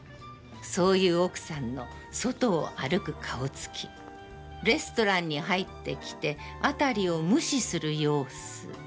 そういう奥さんの戸外を歩く顔つき、レストランに入って来て辺りを無視するようす。